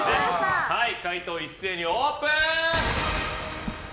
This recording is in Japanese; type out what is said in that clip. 解答を一斉にオープン！